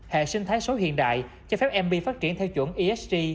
hệ sinh thái số hiện đại cho phép mb phát triển theo chuẩn esg